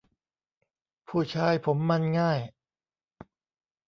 ผู้ชายผมมันง่าย